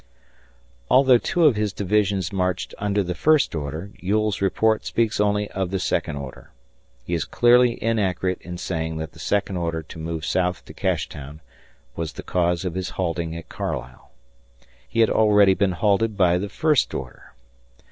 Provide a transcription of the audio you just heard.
Although two of his divisions marched under the first order, Ewell's report speaks only of the second order. He is clearly inaccurate in saying that the second order to move south to Cashtown was the cause of his halting at Carlisle. He had already been halted by the first order.